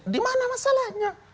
di mana masalahnya